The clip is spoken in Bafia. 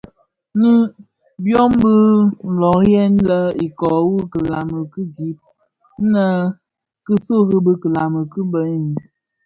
Nnë byom bi löören lè iköö wu kilami ki gib nnë kōsuu bi kilami ki bë bani.